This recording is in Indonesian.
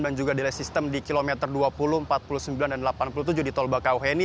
dan juga delay system di kilometer dua puluh empat puluh sembilan dan delapan puluh tujuh di tol bakauheni